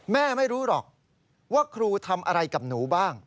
ไม่รู้หรอกว่าครูทำอะไรกับหนูบ้าง